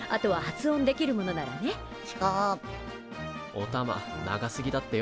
おたま長すぎだってよ。